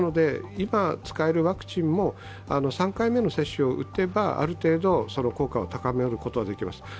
今使えるワクチンも３回目の接種を打てば、ある程度、その効果を高めることはできます。